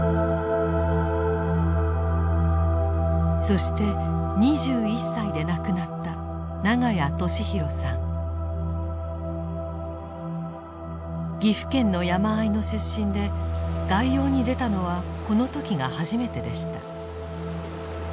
そして２１歳で亡くなった岐阜県の山あいの出身で外洋に出たのはこの時が初めてでした。